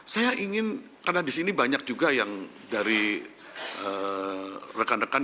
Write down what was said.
saya ingin karena di sini banyak juga yang dari rekan rekan